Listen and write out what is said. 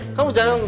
eh kamu jangan